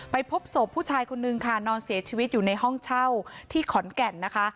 พบศพผู้ชายคนนึงค่ะนอนเสียชีวิตอยู่ในห้องเช่าที่ขอนแก่นนะคะ